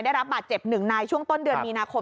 ได้รับบาดเจ็บ๑นายช่วงต้นเดือนมีนาคม